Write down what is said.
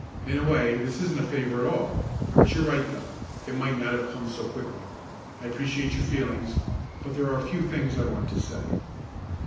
In a way this isn't a favor at all, but you're right though, it might not have come so quickly. I appreciate your feelings, but there are a few things I want to say.